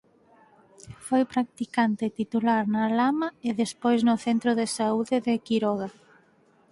Foi practicante titular na Lama e despois no Centro de Saúde de Quiroga.